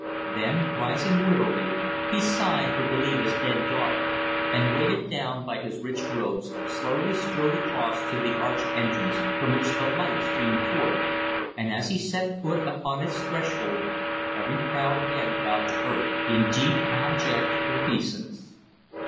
Then rising wearily, he sighed for Goliba's dead daughter, and weighted by his rich robes, slowly strode across to the arched entrance from which the light streamed forth, and as he set foot upon its threshold every proud head bowed to earth in deep, abject obeisance.